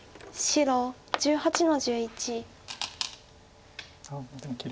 白１８の十ツギ。